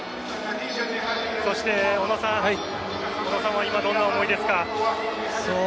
そして小野さんは今どんな思いですか？